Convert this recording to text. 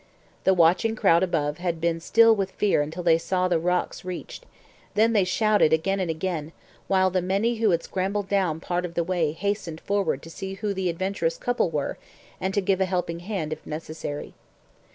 The watching crowd above had been still with fear until they saw the rocks reached; then they shouted again and again, while the many who had scrambled down part of the way hastened forward to see who the adventurous couple were, and to give a helping hand if necessary.